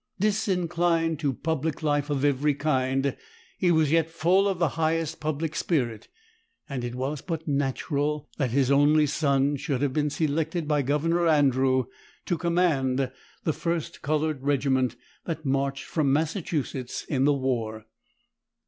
Disinclined to public life of every kind, he was yet full of the highest public spirit, and it was but natural that his only son should have been selected by Governor Andrew to command the first colored regiment that marched from Massachusetts in the war.